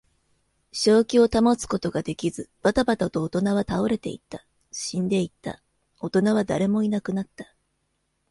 正気を保つことができず、ばたばたと大人は倒れていった。死んでいった。大人は誰もいなくなった。